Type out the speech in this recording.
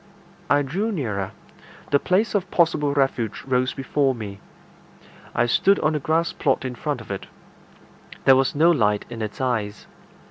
I drew nearer. The place of possible refuge rose before me. I stood on the grass plot in front of it. There was no light in its eyes.